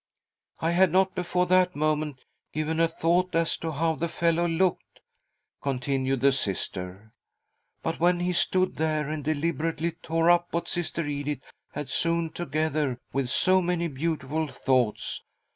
" I had not before that moment given a thought as to how the fellow looked," continued the Sister, " but when he stood there and deliberately tore up \ 82 THY SOUL SHALL BEAR WITNESS ! what Sister Edith had sewn together with so many beautiful thoughts.